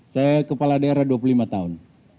saya kepala daerah dua puluh lima tahun